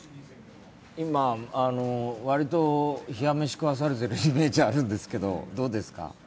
今、わりと冷や飯、食わされてるイメージあるんですけどどうですか？